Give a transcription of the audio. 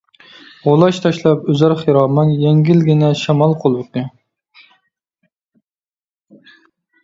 غۇلاچ تاشلاپ ئۈزەر خىرامان، يەڭگىلگىنە شامال قولۋىقى.